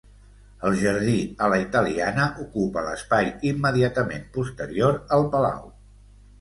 El jardí a la italiana ocupa l'espai immediatament posterior al palau.